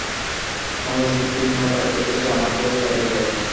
সংস্কৃতি-হীনতার ক্ষেত্রে সে আমাকেও ছাড়িয়ে যায়।